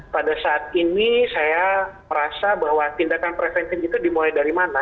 pada saat ini saya merasa bahwa tindakan preventif itu dimulai dari mana